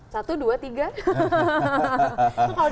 satu dua tiga